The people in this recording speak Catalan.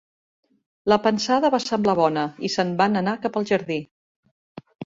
La pensada va semblar bona, i se'n van anar cap al Jardí.